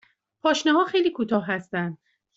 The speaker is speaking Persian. پاشنه ها خیلی کوتاه هستند.